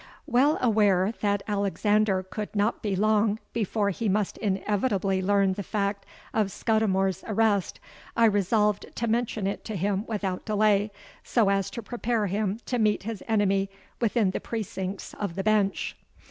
Well aware that Alexander could not be long before he must inevitably learn the fact of Scudimore's arrest, I resolved to mention it to him without delay, so as to prepare him to meet his enemy within the precincts of the Bench.